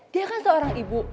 dia kan seorang ibu